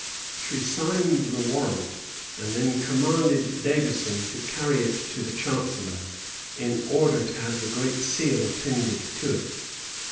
She signed the warrant; and then commanded Davison to carry it to the chancellor, in order to have the great seal appended to it.